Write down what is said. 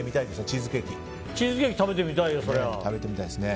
チーズケーキ食べてみたいよ